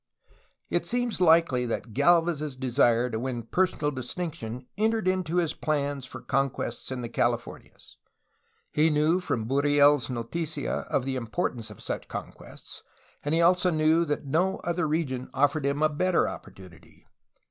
It seems likely that G^lvez's desire to win personal dis tinction entered into his plans for conquests in the Cali fornias. He knew from BurrieFs Noticia of the importance of such conquests, and he also knew that no other region offered him a better opportunity.